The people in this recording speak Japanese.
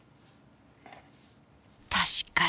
確かに。